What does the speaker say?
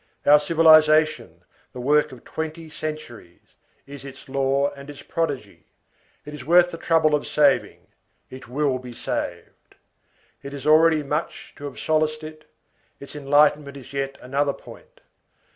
Our civilization, the work of twenty centuries, is its law and its prodigy; it is worth the trouble of saving. It will be saved. It is already much to have solaced it; its enlightenment is yet another point.